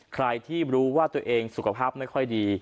ใครที่รู้ว่าตัวเองสุขภาพไม่ค่อยดี